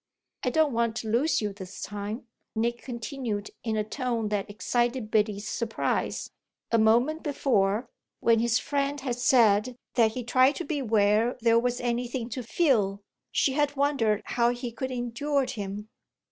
"I don't want to lose you this time," Nick continued in a tone that excited Biddy's surprise. A moment before, when his friend had said that he tried to be where there was anything to feel, she had wondered how he could endure him.